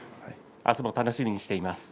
明日も楽しみにしています。